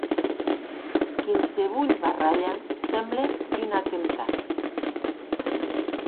Quinsevolh barralha semble un atemptat.